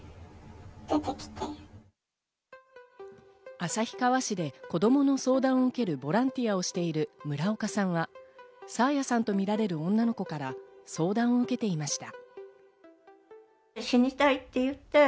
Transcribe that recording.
旭川市で子供の相談を受けるボランティアをしている村岡さんは爽彩さんとみられる女の子から相談を受けていました。